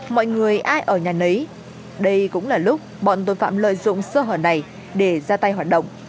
mọi người ai ở nhà nấy đây cũng là lúc bọn tội phạm lợi dụng sơ hở này để ra tay hoạt động